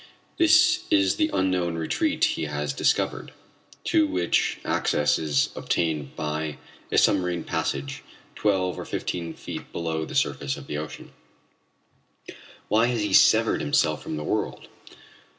This is the unknown retreat he has discovered, to which access is obtained by a submarine passage twelve or fifteen feet below the surface of the ocean. Why has he severed himself from the world?